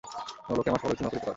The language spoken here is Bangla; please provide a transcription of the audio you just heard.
এখন লোকে আমার সমালোচনা করিতে পারে।